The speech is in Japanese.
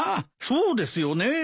そうですよねえ。